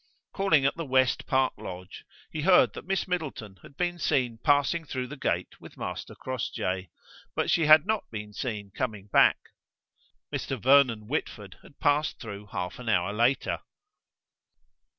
Calling at the West park lodge he heard that Miss Middleton had been seen passing through the gate with Master Crossjay; but she had not been seen coming back. Mr. Vernon Whitford had passed through half an hour later.